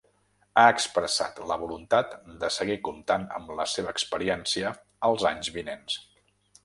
Ha expressat “la voluntat de seguir comptant amb la seva experiència els anys vinents”.